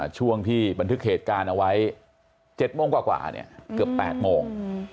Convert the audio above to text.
ช่วงที่บันทึกเหตุการณ์เอาไว้๗โมงกว่าเกือบ๘โมง